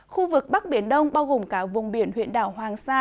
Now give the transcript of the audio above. khu vực bắc biển đông bao gồm cả vùng biển huyện đảo hoàng sa